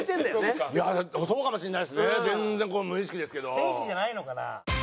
ステーキじゃないのかな？